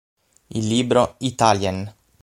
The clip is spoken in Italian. Il libro "Italien!